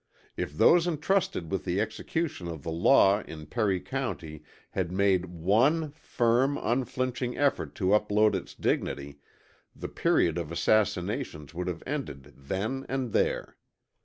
If those entrusted with the execution of the law in Perry County had made one firm, unflinching effort to uphold its dignity, the period of assassinations would have ended then and there.